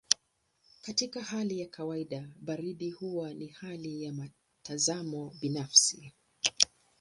Katika hali ya kawaida baridi huwa ni hali ya mtazamo binafsi.